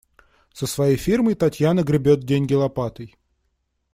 Со своей фирмой Татьяна гребёт деньги лопатой.